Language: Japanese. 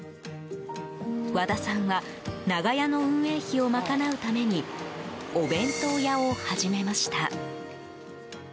和田さんはながやの運営費を賄うためにお弁当屋を始めました。